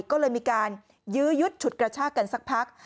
ก็เลยมีการยื้อยุดฉุดกระชากันสักพัก